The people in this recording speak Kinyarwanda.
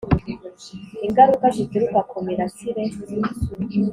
Ingaruka zituruka ku mirasire